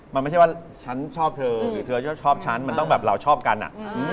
มันไม่ใช่ว่าฉันชอบเธอหรือเธอชอบฉันมันต้องแบบเราชอบกันอ่ะ